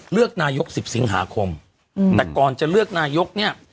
เลือกนายก๑๐สิงหาคมแต่ก่อนจะเลือกนายกเนี่ย